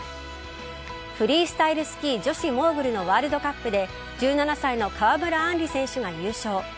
フリースタイルスキー女子モーグルのワールドカップで１７歳の川村あんり選手が優勝。